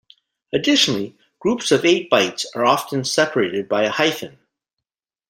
Additionally, groups of eight bytes are often separated by a hyphen.